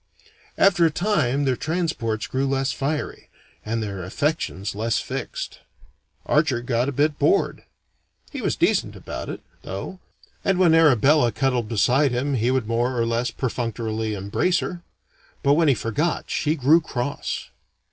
After a time their transports grew less fiery, and their affections less fixed. Archer got a bit bored. He was decent about it, though, and when Arabella cuddled beside him he would more or less perfunctorily embrace her. But when he forgot, she grew cross.